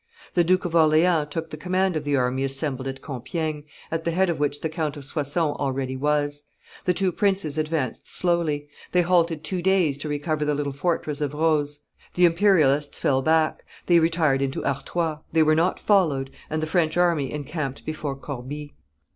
The Duke of Orleans took the command of the army assembled at Compiegne, at the head of which the Count of Soissons already was; the two princes advanced slowly; they halted two days to recover the little fortress of Roze; the Imperialists fell back; they retired into Artois; they were not followed, and the French army encamped before Corbie.